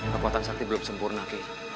kekuatan sakti belum sempurna